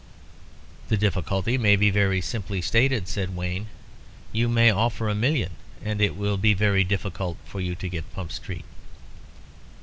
"The difficulty may be very simply stated," said Wayne. "You may offer a million and it will be very difficult for you to get Pump Street."